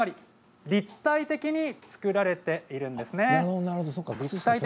つまり立体的に作られているんです。